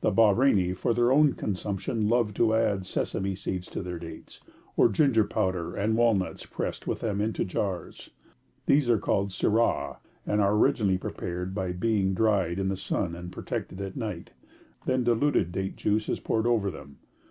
The Bahreini, for their own consumption, love to add sesame seeds to their dates, or ginger powder and walnuts pressed with them into jars. These are called sirah, and are originally prepared by being dried in the sun and protected at night, then diluted date juice is poured over them.